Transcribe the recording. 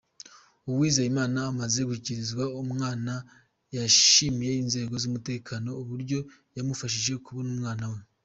Uwizeyimana amaze gushyikirizwa umwana yashimiye inzego z’umutekano uburyo zamufashije kubona umwana we.